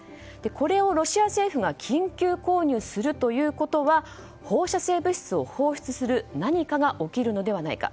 これをロシア政府が緊急購入するということは放射性物質を放出する何かが起きるのではないか。